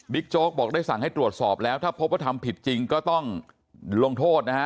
โจ๊กบอกได้สั่งให้ตรวจสอบแล้วถ้าพบว่าทำผิดจริงก็ต้องลงโทษนะฮะ